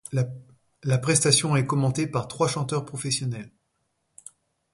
La prestation est commentée par trois chanteurs professionnels.